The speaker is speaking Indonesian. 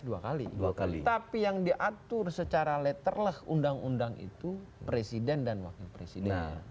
dua kali dua kali tapi yang diatur secara letterlah undang undang itu presiden dan wakil presiden